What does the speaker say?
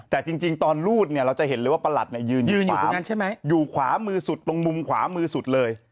แต่จริงตอนรูดเนี่ยเราจะเห็นเลยว่าประหลัดยืนอยู่ตรงนั้นใช่ไหมอยู่ขวามือสุดตรงมุมขวามือสุดเลย